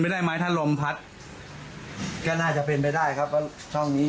ได้ไหมถ้าลมพัดก็น่าจะเป็นไปได้ครับเพราะช่องนี้